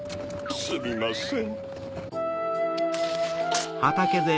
すみません。